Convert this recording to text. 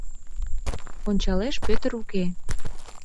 Ончалеш, Пӧтыр уке.